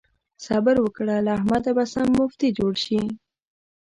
صبر وکړه؛ له احمده به سم مفتي جوړ شي.